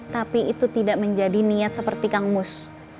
tapi itu tidak menjadi niat seperti kang mus